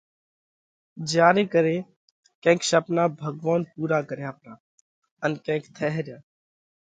جيا ري ڪري ڪينڪ شپنا ڀڳوونَ پُورا ڪرياھ پرا ان ڪينڪ ٿئھ ريا۔